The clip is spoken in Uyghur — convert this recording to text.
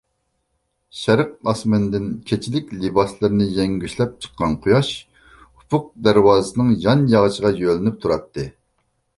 شەرق ئاسمىنىدىن كېچىلىك لىباسلىرىنى يەڭگۈشلەپ چىققان قۇياش ئۇپۇق دەرۋازىسىنىڭ يان ياغىچىغا يۆلىنىپ تۇراتتى.